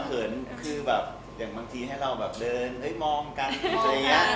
เขินคือแบบอย่างบางทีให้เราแบบเดินมองกันเป็นระยะ